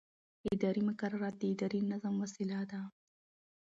اداري مقررات د ادارې د نظم وسیله ده.